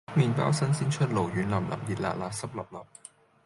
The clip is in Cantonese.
麵包新鮮出爐軟腍腍熱辣辣濕 𣲷𣲷